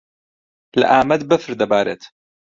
لە ئامەد بەفر دەبارێت.